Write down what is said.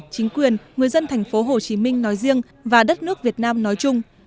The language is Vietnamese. chính quyền người dân tp hồ chí minh nói riêng và đất nước việt nam nói chung